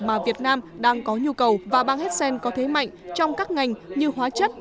mà việt nam đang có nhu cầu và bang hessen có thế mạnh trong các ngành như hóa chất